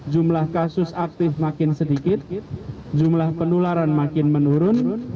jumlah kasus aktif makin sedikit jumlah penularan makin menurun